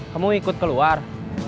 kamu ikut keluar